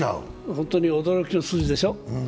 ホントに驚きの数字でしょ。